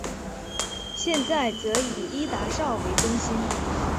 现在则以伊达邵为中心。